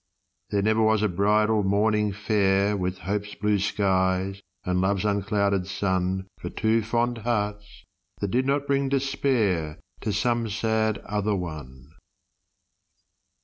There never was a bridal morning fair With hopeŌĆÖs blue skies and loveŌĆÖs unclouded sun For two fond hearts, that did not bring despair To some sad other one.